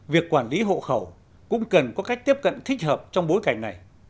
việc quản lý hộ khẩu cũng cần có cách tiếp cận thích hợp trong bối cảnh này